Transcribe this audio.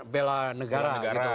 bela negara gitu